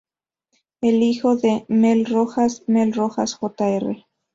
El hijo de "Mel Rojas", "Mel Rojas Jr.